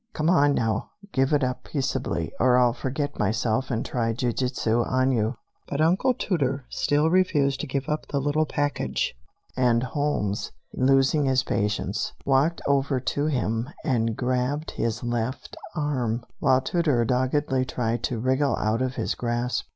Come on, now, give it up peaceably, or I'll forget myself and try jiu jitsu on you." But Uncle Tooter still refused to give up the little package, and Holmes, losing his patience, walked over to him and grabbed his left arm, while Tooter doggedly tried to wriggle out of his grasp.